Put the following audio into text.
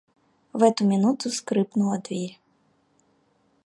В эту минуту скрыпнула дверь.